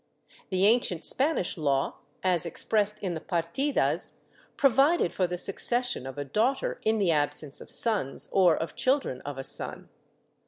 The ancient Spanish law, as expressed in the Partidas, provided for the succession of a daughter in the absence of sons or of children of a son.